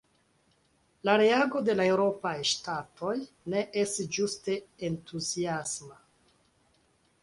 La reago de la eŭropaj ŝtatoj ne estis ĝuste entuziasma.